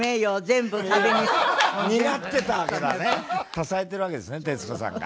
支えてるわけですね徹子さんが。